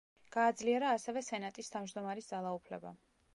გააძლიერა ასევე სენატის თავმჯდომარის ძალაუფლება.